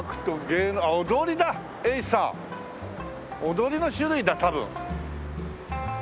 踊りの種類だ多分。